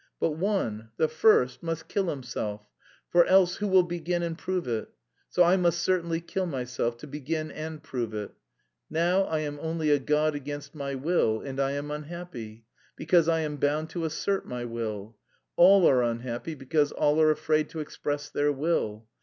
But one, the first, must kill himself, for else who will begin and prove it? So I must certainly kill myself, to begin and prove it. Now I am only a god against my will and I am unhappy, because I am bound to assert my will. All are unhappy because all are afraid to express their will.